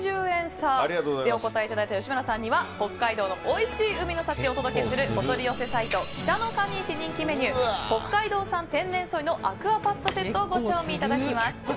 ５８０円差でお答えいただいた吉村さんには北海道のおいしい海の幸をお届けするお取り寄せサイト北のかに市人気メニュー北海道産天然ソイのアクアパッツァセットをご賞味いただきます。